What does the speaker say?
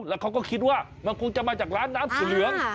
แล้วเขาก็คิดว่ามันคงจะมาจากร้านน้ำสีเหลือง